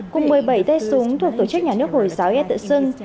cùng một mươi bảy tê súng thuộc tổ chức nhà nước hồi giáo yét tự sưng